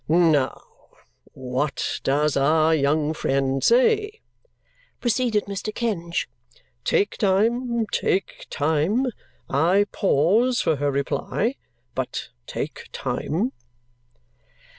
"Now, what does our young friend say?" proceeded Mr. Kenge. "Take time, take time! I pause for her reply. But take time!"